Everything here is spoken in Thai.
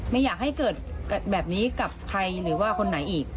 ไม่อยากให้เกิดแบบนี้กับใครหรือว่าคนไหนอีก